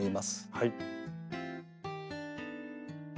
はい。